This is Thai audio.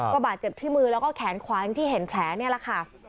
กระบะเจ็บที่มือแล้วก็แขนคว้างที่เห็นแผลเนี่ยแหละค่ะ